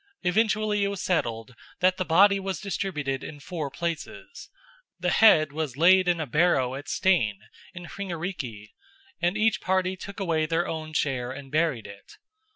Eventually it was settled that the body was distributed in four places. The head was laid in a barrow at Steinn in Hringariki, and each party took away their own share and buried it.